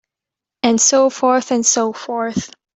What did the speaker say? And so forth and so forth.